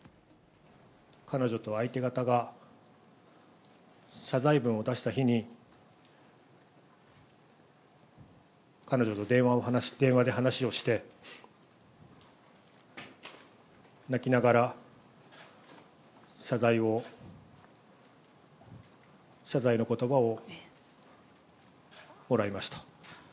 彼女と相手方が謝罪文を出した日に、彼女と電話で話をして、泣きながら謝罪のことばをもらいました。